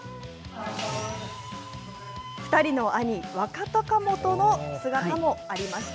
２人の兄、若隆元の姿もありました。